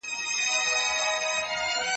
دا معلوم او ثابت حق دی.